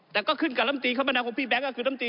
แต่ก็ขึ้นกับลำตีคมนาคมพี่แบงค์ก็คือลำตี